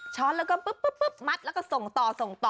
ช้อนแล้วก็ปุ๊บมัดแล้วก็ส่งต่อส่งต่อ